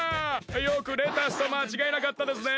よくレタスとまちがえなかったですね！